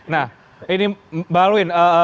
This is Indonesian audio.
nah ini mbak alwin